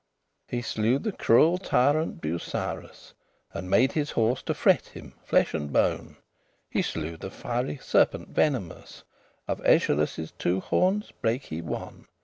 He slew the cruel tyrant Busirus. <8> And made his horse to fret* him flesh and bone; *devour He slew the fiery serpent venomous; Of Achelous' two hornes brake he one.